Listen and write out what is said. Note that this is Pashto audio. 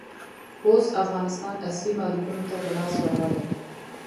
اوس افغانستان اصلي مالکينو ته په لاس ورغلئ.